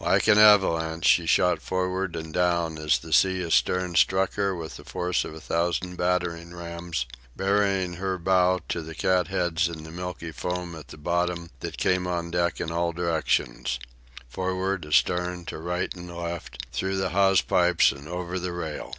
Like an avalanche, she shot forward and down as the sea astern struck her with the force of a thousand battering rams, burying her bow to the catheads in the milky foam at the bottom that came on deck in all directions forward, astern, to right and left, through the hawse pipes and over the rail.